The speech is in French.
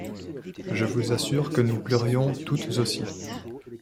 Je vous assure que nous pleurions toutes aussi.